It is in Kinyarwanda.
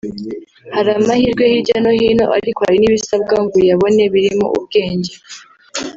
Hari amahirwe hirya no hino ariko hari n’ibisabwa ngo uyabone birimo ubwenge